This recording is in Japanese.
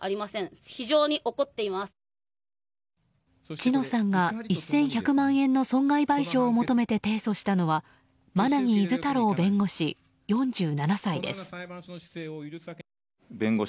知乃さんが１１００万円の損害賠償を求めて提訴したのは馬奈木厳太郎弁護士、４７歳です。